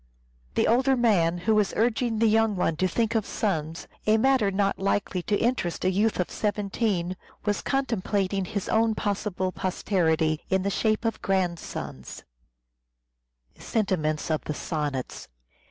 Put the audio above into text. The older man who was urging the young one to think of sons, a matter not likely to interest a youth of seventeen, was contemplating his own possible posterity in the shape of grandsons.